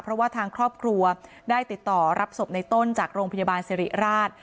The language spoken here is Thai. เพราะว่าทางครอบครัวได้ติดต่อรับศพในต้นจากโรงพยาบาลสิริราช